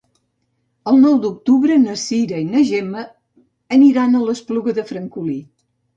El nou d'octubre na Cira i na Gemma aniran a l'Espluga de Francolí.